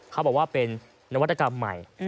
เขาบอกว่าเป็นนวัตกรรมใหม่